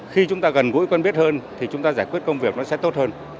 khi chúng ta gần gũi quân biết hơn thì chúng ta giải quyết công việc sẽ tốt hơn